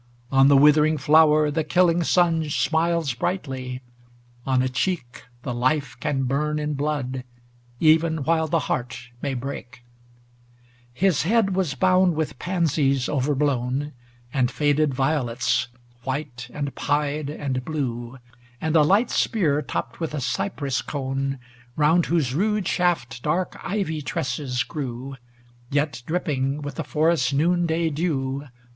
On the withering flower The killing sun smiles brightly; on a cheek The life can burn in blood, even while the heart may break. XXXIII His head was bound with pansies over blown. And faded violets, white, and pied, and blue; And a light spear topped with a cypress cone, Round whose rude shaft dark ivy tresses grew Yet dripping with the forest's noonday dew.